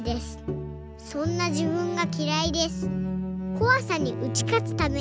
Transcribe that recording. そんなじぶんがきらいです」